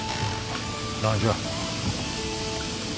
何じゃ。